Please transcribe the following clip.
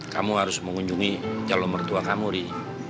kamu harus mengunjungi calon mertua kamu ri